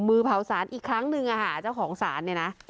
มือเผาสารอีกครั้งหนึ่งเจ้าของสารเนี่ยนะ